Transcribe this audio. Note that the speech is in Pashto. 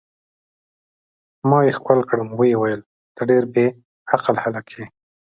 ما یې ښکل کړم، ویې ویل: ته ډېر بې عقل هلک یې.